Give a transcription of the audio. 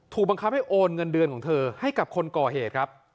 บังคับให้โอนเงินเดือนของเธอให้กับคนก่อเหตุครับ